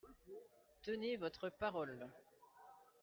Tenez votre parole.